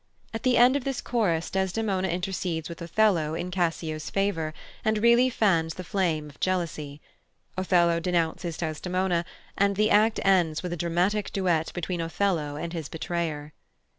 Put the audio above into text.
At the end of this chorus Desdemona intercedes with Othello in Cassio's favour, and really fans the flame of jealousy; Othello denounces Desdemona, and the act ends with a dramatic duet between Othello and his betrayer.